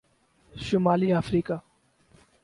شمالی افریقہ